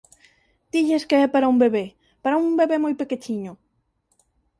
Dilles que é para un bebé, para un bebé moi pequechiño.